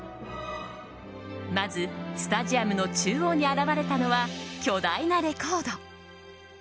まず、スタジアムの中央に現れたのは巨大なレコード。